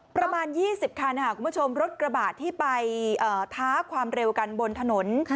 ประมาณ๒๐คันคุณผู้ชมรถกระบะที่ไปท้าความเร็วกันบนถนน